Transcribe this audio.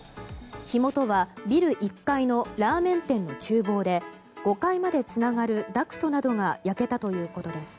火元はビル１階のラーメン店の厨房で５階までつながるダクトなどが焼けたということです。